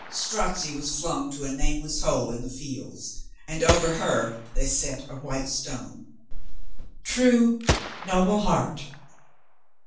Strozzi was flung to a nameless hole in the fields, and over her they set a white stone. True, noble heart